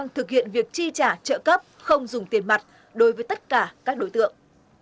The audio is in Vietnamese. thực hiện việc chi trả trợ cấp không dùng tiền mặt đối với tất cả các đối tượng